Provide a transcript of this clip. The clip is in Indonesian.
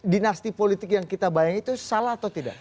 dinasti politik yang kita bayangin itu salah atau tidak